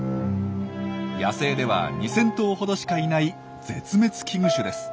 野生では２，０００頭ほどしかいない絶滅危惧種です。